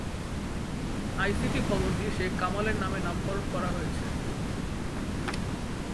ICT ভবনটি শেখ কামালের নামে নামকরণ করা হয়েছে।